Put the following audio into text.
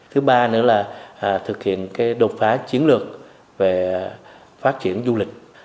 thứ ba nữa là thực hiện cái đột phá chiến lược về phát triển du lịch